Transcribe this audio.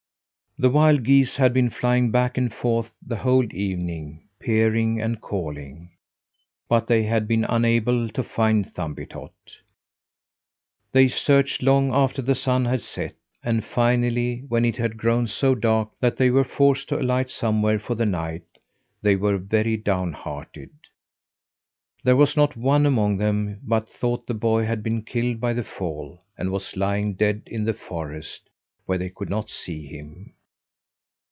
The wild geese had been flying back and forth the whole evening, peering and calling, but they had been unable to find Thumbietot. They searched long after the sun had set, and, finally, when it had grown so dark that they were forced to alight somewhere for the night, they were very downhearted. There was not one among them but thought the boy had been killed by the fall and was lying dead in the forest, where they could not see him.